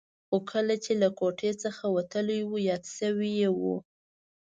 خو کله چې له کوټې څخه وتلی و یاد شوي یې و.